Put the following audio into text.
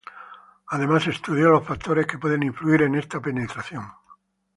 Además estudió los factores que pueden influir en esta penetración.